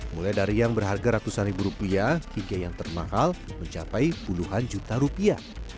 mulai dari yang berharga ratusan ribu rupiah hingga yang termahal mencapai puluhan juta rupiah